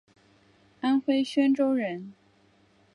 安徽宣州人。